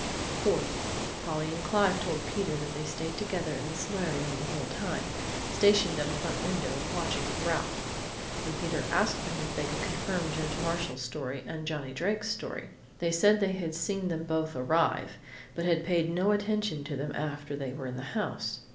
"Fourth: Polly and Clive told Peter they stayed together in the solarium the whole time, stationed at a front window, watching for Ralph. When Peter asked them if they could confirm Judge Marshall's story and Johnny Drake's story, they said they had seen them both arrive, but had paid no attention to them after they were in the house.